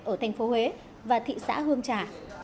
ở thành phố huế và thị xã hương trả